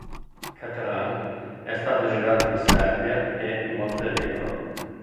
Cat Run è stato girato in Serbia e Montenegro.